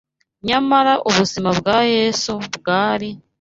Nyamara ubuzima bwa Yesu bwari